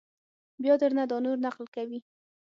بیا در نه دا نور نقل کوي!